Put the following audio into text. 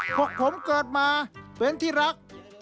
พวกผมเกิดมาเป็นที่รัก